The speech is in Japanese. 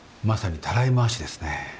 まさにたらい回しですね。